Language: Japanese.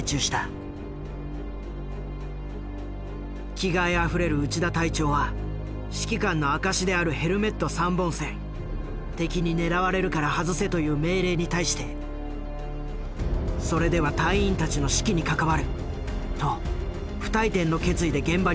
気概あふれる内田隊長は指揮官の証しであるヘルメット３本線「敵に狙われるから外せ」という命令に対してそれでは隊員たちの士気に関わると不退転の決意で現場に臨んでいた。